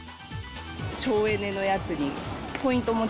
省エネのやつに。